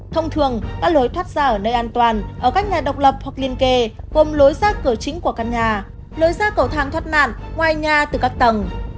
thông thường các lối thoát ra ở nơi an toàn ở các nhà độc lập hoặc liên kề gồm lối ra cửa chính của căn nhà lối ra cầu thang thoát nạn ngoài nhà từ các tầng